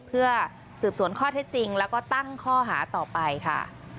เพื่อสืบสวนข้อเท็จจริงแล้วก็ตั้งข้อหาต่อไปค่ะ